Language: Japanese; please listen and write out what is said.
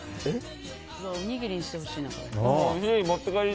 おにぎりにしてほしいな、これ。